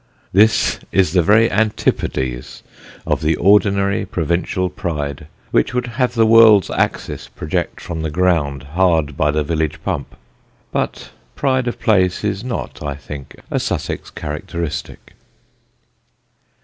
This is the very antipodes of the ordinary provincial pride, which would have the world's axis project from the ground hard by the village pump. But pride of place is not, I think, a Sussex characteristic.